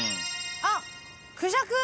あっクジャク！